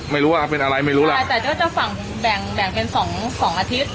ไม่รู้ว่าเป็นอะไรไม่รู้แหละใช่แต่ก็จะฝั่งแบ่งแบ่งเป็นสองสองอาทิตย์